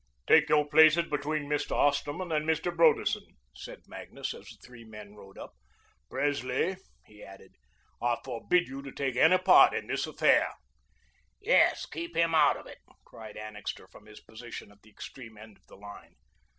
"Take your places between Mr. Osterman and Mr. Broderson," said Magnus, as the three men rode up. "Presley," he added, "I forbid you to take any part in this affair." "Yes, keep him out of it," cried Annixter from his position at the extreme end of the line.